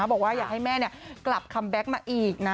บอกว่าอยากให้แม่กลับคัมแบ็คมาอีกนะ